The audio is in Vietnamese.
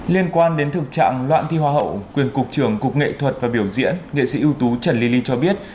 liên quan đến thực trạng loạn thi hoa hậu quyền cục trưởng cục nghệ thuật và biểu diễn nghệ sĩ ưu tú trần ly ly ly cho biết